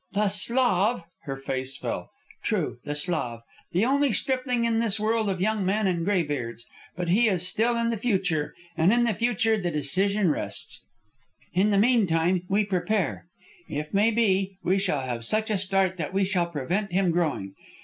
"The Slav!" Her face fell. "True, the Slav! The only stripling in this world of young men and gray beards! But he is still in the future, and in the future the decision rests. In the mean time we prepare. If may be we shall have such a start that we shall prevent him growing.